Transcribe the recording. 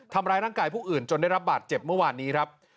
ทำร้ายร่างกายผู้อื่นจนได้รับบาดเจ็บเมื่อวานนี้ครับ